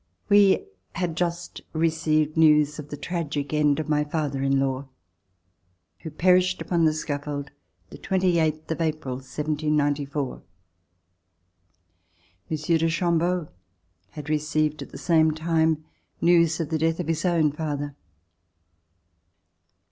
We had just received news of the tragic end of my father in law who perished upon the scaffold the twenty eighth of April, 1794. Monsieur de Cham beau had received at the same time news of the death of his own father.